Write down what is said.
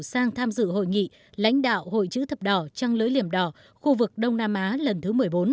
sang tham dự hội nghị lãnh đạo hội chữ thập đỏ trăng lưỡi liềm đỏ khu vực đông nam á lần thứ một mươi bốn